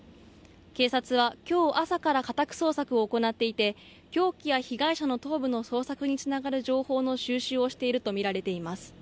警察は今日朝から家宅捜索を行っていて凶器や被害者の頭部の捜索につながる情報を収集しているとみられています。